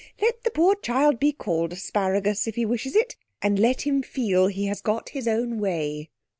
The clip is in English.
Let the poor child be called Asparagus if he wishes it, and let him feel he has got his own way.'